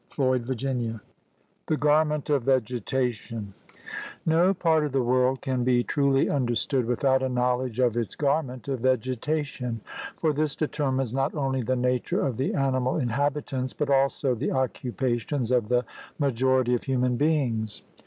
CHAPTER IV THE GARMENT OF VEGETATION No part of the world can be truly understood with out a knowledge of its garment of vegetation, for this determines not only the nature of the animal inhabitants but also the occupations of the major ity of human beings.